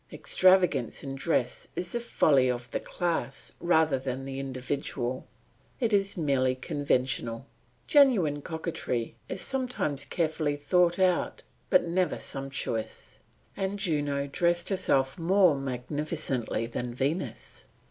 Extravagance in dress is the folly of the class rather than the individual, it is merely conventional. Genuine coquetry is sometimes carefully thought out, but never sumptuous, and Juno dressed herself more magnificently than Venus.